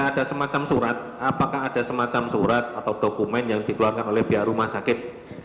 ada semacam surat apakah ada semacam surat atau dokumen yang dikeluarkan oleh pihak rumah sakit